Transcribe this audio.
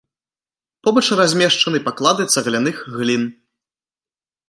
Побач размешчаны паклады цагляных глін.